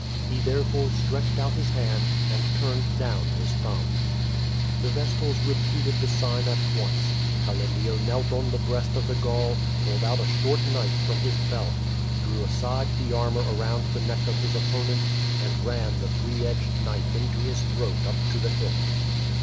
He therefore stretched out his hand and turned down his thumb. The vestals repeated the sign at once. Calendio knelt on QUO VADI8. 411 the breast of the Gaul, pulled out a short knife from his belt, drew aside the armor around the neck of his opponent, and ran the three edged knife into his throat up to the hilt.